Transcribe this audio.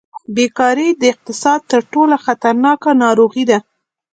بېکاري د اقتصاد تر ټولو خطرناکه ناروغي ده.